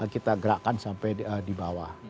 kita gerakkan sampai di bawah